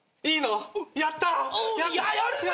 いいの？